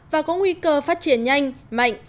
và có nguy cơ phát triển nhanh mạnh